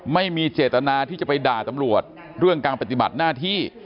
ไม่มีเจตนาที่จะไปด่าตำรวจเรื่องการปฏิบัติหน้าที่